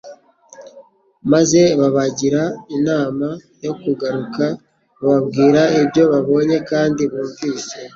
maze babagira inama yo kugaruka, bababwira ibyo babonye kandi bumvise.